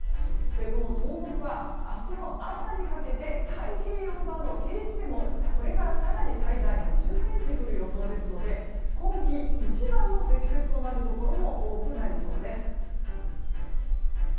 この東北は明日の朝にかけて太平洋側の平地でもこれから更に最大２０ｃｍ降る予想ですので今季一番の積雪となるところも多くなりそうです。